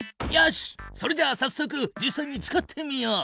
しっそれじゃあさっそく実さいに使ってみよう！